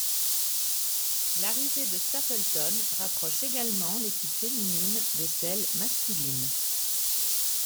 L'arrivée de Stapleton rapproche également l'équipe féminine de celle masculine.